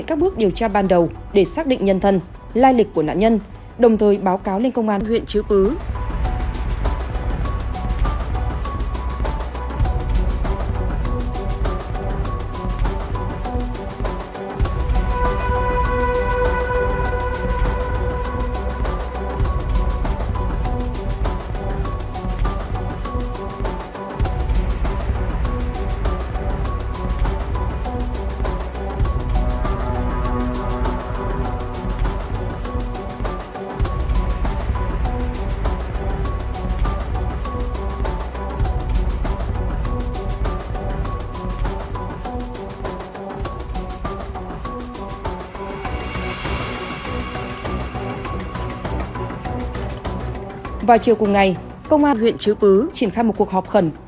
hôm ba chiều cùng ngày công an huyện chứ bứ triển khai một cuộc họp khẩn